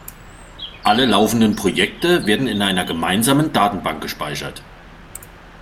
Alle laufenden Projekte werden in einer gemeinsamen Datenbank gespeichert.